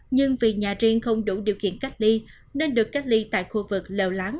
nhưng vì nhà riêng không đủ điều kiện cách ly nên được cách ly tại khu vực lèo láng